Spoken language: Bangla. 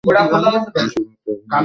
আমি শুধুমাত্র একজন কর্মচারি।